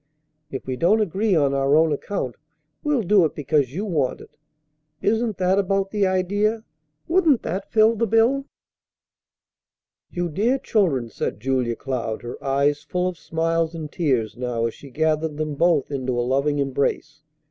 If we don't agree on our own account, we'll do it because you want it. Isn't that about the idea? Wouldn't that fill the bill?" "You dear children!" said Julia Cloud, her eyes full of smiles and tears now as she gathered them both into a loving embrace.